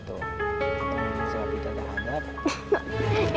itu sebab tidak ada adat